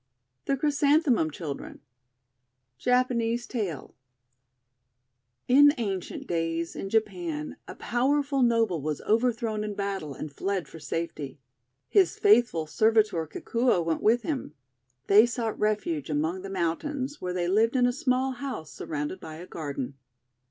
THE CHRYSANTHEMUM CHILDREN Japanese Tale IN ancient days, in Japan, a powerful noble was overthrown in battle, and fled for safety. His faithful servitor, Kikuo, went with him. They sought refuge among the mountains, where they lived in a small house surrounded by a garden.